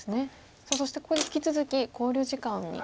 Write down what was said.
さあそしてここで引き続き考慮時間に入られました。